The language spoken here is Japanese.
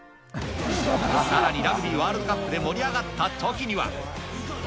さらに、ラグビーワールドカップで盛り上がったときには。